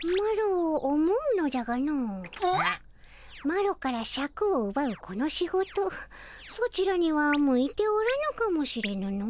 マロからシャクをうばうこの仕事ソチらには向いておらぬかもしれぬの。